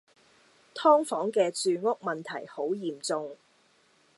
劏房嘅住屋問題好嚴重